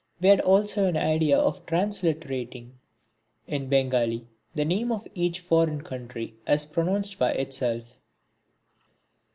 We had also an idea of transliterating in Bengali the name of each foreign country as pronounced by itself.